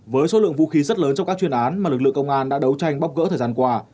với số lượng vũ khí rất lớn trong các chuyên án mà lực lượng công an đã đấu tranh bóc gỡ thời gian qua